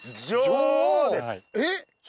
女王です。